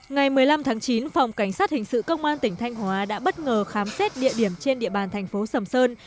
ngày một mươi năm tháng chín phòng cảnh sát hình sự công an tỉnh thanh hóa đã bất ngờ khám xét địa điểm trên địa bàn thành phố sầm sơn